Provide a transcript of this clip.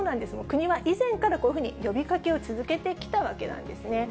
国は以前からこういうふうに呼びかけを続けてきたわけなんですね。